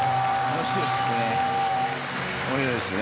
面白いですね。